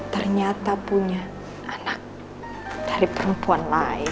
ternyata punya anak dari perempuan lain